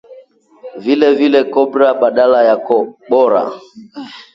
Vilevile, ‘Kobra’ badala ya ‘Kobora’